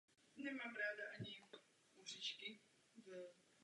Svou první skupinu The Red Peppers založil ve školních letech.